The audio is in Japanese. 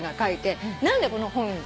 何でこの本。